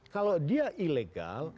kalau dia ilegal